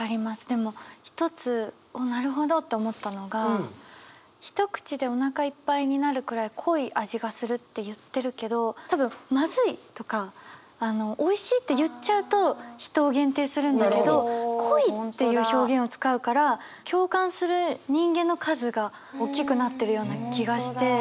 でも一つおっなるほどと思ったのが「一口でお腹いっぱいになるくらい濃い味がする」って言ってるけど多分「まずい」とか「おいしい」って言っちゃうと人を限定するんだけど「濃い」っていう表現を使うから共感する人間の数がおっきくなってるような気がして。